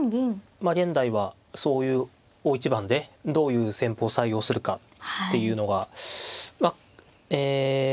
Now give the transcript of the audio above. まあ現代はそういう大一番でどういう戦法を採用するかっていうのがまあええ